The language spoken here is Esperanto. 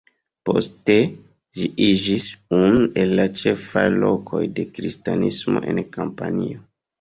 Poste ĝi iĝis unu el la ĉefaj lokoj de Kristanismo en Kampanio.